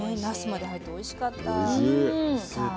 なすまで入っておいしかった。